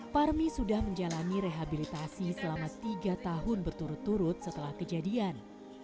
parmi sudah menjalani rehabilitasi selama tiga tahun berturut turut setelah kejadian